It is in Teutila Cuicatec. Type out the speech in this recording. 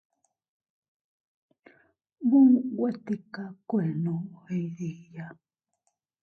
Muʼun nwe tika kuenno iydiya.